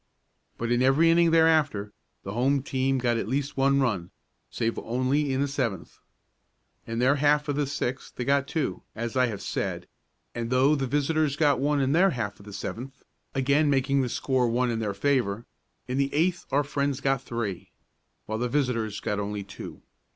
But in every inning thereafter the home team got at least one run, save only in the seventh. In their half of the sixth they got two, as I have said, and though the visitors got one in their half of the seventh, again making the score one in their favor, in the eighth our friends got three, while the visitors got only two.